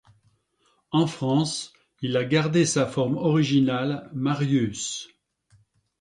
En France, il a gardé sa forme originale, Marius.